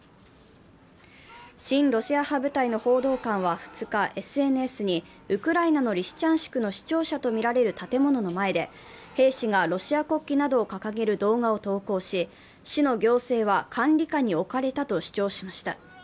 親ロシア派部隊の報道官は２日、ＳＮＳにウクライナのリシチャンシクの市庁舎とみられる建物の前で兵士がロシア国旗などを掲げる動画を投稿し、市の行政は管理下に置かれたと主張しました。